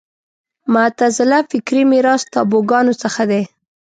معتزله فکري میراث تابوګانو څخه دی